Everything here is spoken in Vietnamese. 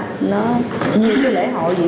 nó nhiều cái lễ hội diễn ra rồi vấn đề tết các thứ v v